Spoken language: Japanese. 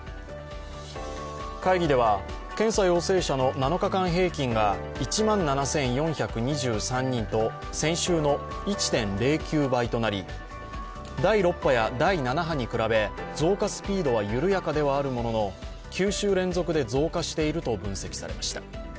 会議では検査陽性者の７日間平均が１万７４２３人と先週の１．０９倍となり第６波や第７波に比べ、増加スピードは緩やかではあるものの９週連続で増加していると分析されました。